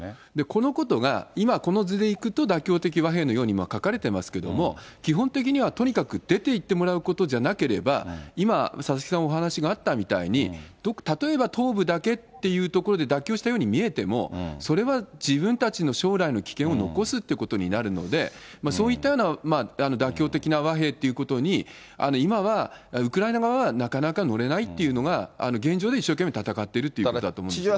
このことが今、この図でいくと、妥協的和平のように今、書かれてますけども、基本的にはとにかく出ていってもらうことじゃなければ、今、佐々木さんお話があったみたいに、例えば東部だけっていうところで妥協したように見えても、それは自分たちの将来の危険を残すっていうことになるので、そういったような妥協的な和平っていうことに、今はウクライナ側はなかなか乗れないというのが、現状で一生懸命戦ってるということだと思うんですね。